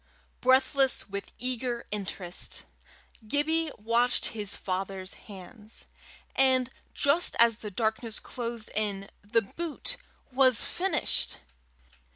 Breathless with eager interest, Gibbie watched his father's hands, and just as the darkness closed in, the boot was finished.